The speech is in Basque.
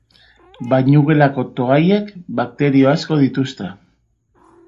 Bainugeletako toallek bakterio asko dituzte.